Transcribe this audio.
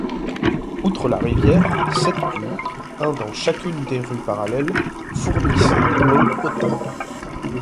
Outre la rivière, sept puits, un dans chacune des rues parallèles, fournissaient l'eau potable.